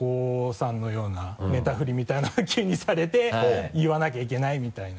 さんのようなネタふりみたいなの急にされて言わなきゃいけないみたいな。